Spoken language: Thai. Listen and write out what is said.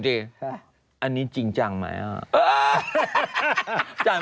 แต่ม้าเติมเองว่าเล่น